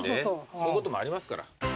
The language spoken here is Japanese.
こういうこともありますから。